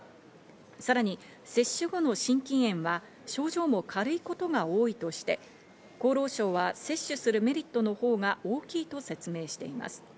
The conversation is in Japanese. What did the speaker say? さらに接種後の心筋炎は症状も軽いことが多いとして、厚労省は接種するメリットのほうが大きいと説明しています。